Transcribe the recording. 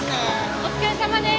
お疲れさまです。